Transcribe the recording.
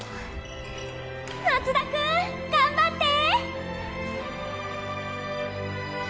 松田くん！頑張って！